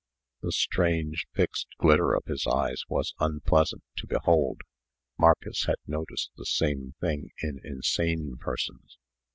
The strange, fixed glitter of his eyes was unpleasant to behold. Marcus had noticed the same thing in insane persons.